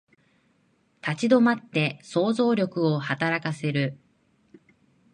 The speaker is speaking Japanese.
立ち止まって想像力を働かせる